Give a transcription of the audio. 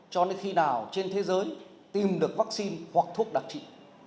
cho đến khi nào trên thế giới tìm được vaccine hoặc thuốc đặc trị